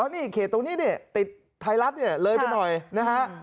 นี่เขตตรงนี้เนี่ยติดไทรัตเลยไปหน่อยนะฮะ